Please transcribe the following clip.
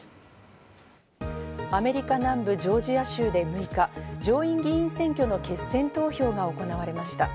アメリカ南部ジョージア州で６日、上院議員選挙の決選投票が行われました。